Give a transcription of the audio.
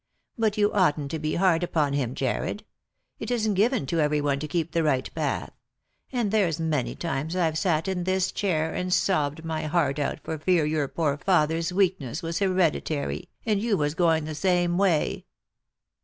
But you oughtn't to be hard upon him, Jarred. It isn't given to every one to keep the right path ; and there's many times I've sat in this chair and sobbed my heart out for fear your poor father's Lost for Love. 353 weakness was hederitary, and you was going the same way."